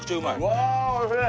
うわあおいしい！